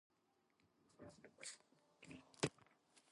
Tokyo Tech is one of the most prestigious universities in Japan.